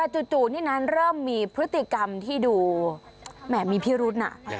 จู่นี่นั้นเริ่มมีพฤติกรรมที่ดูแหมมีพิรุษน่ะ